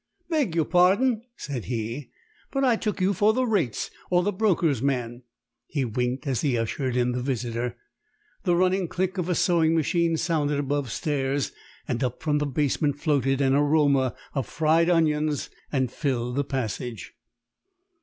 "Beg your pardon," said he, "but I took you for the rates, or the broker's man." He winked as he ushered in the visitor. The running click of a sewing machine sounded above stairs, and up from the basement floated an aroma of fried onions, and filled the passage.